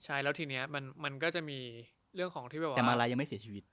ใช่แล้วทีนี้มันก็จะมีเรื่องของที่แต่มาลัยยังไม่เสียชีวิต